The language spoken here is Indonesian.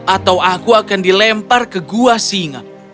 atau aku akan dilempar ke gua singa